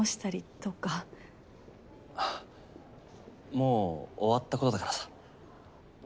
もう終わったことだからさ。